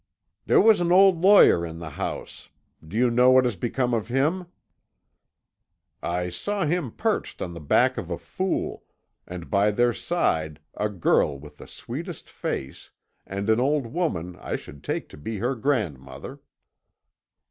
"There was an old lawyer in the house. Do you know what has become of him?" "I saw him perched on the back of a fool, and by their side a girl with the sweetest face, and an old woman I should take to be her grandmother."